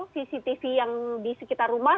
cctv yang di sekitar rumah